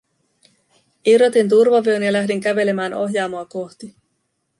Irrotin turvavyön ja lähdin kävelemään ohjaamoa kohti.